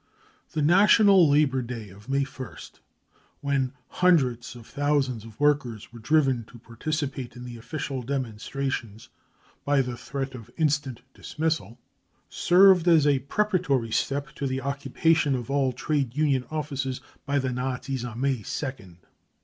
The " National Labour Day 53 of May 1st, when hundreds of thousands of workers were driven to participate in the official demon strations by the threat of instant dismissal, served as a pre paratory step to the occupation of all trade union offices by the Nazis on May 2nd.